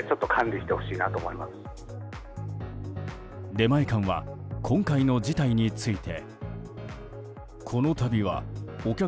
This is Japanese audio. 出前館は今回の事態について。